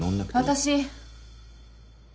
私。